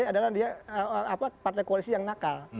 adalah dia partai koalisi yang nakal